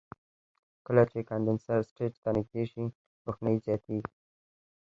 کله چې کاندنسر سټیج ته نږدې شي روښنایي یې زیاتیږي.